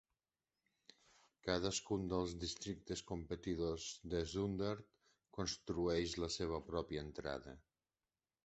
Cadascun dels districtes competidors de Zundert construeix la seva pròpia entrada.